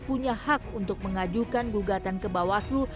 punya hak untuk mengajukan gugatan ke bawaslu